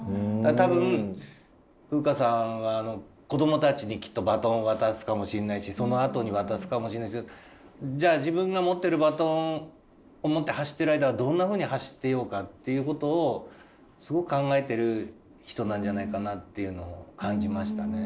多分風夏さんは子どもたちにきっとバトンを渡すかもしんないしそのあとに渡すかもしんないですけどじゃあ自分が持ってるバトンを持って走ってる間はどんなふうに走ってようかっていうことをすごく考えてる人なんじゃないかなっていうのを感じましたね。